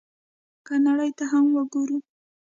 که نړۍ ته هم وګورو،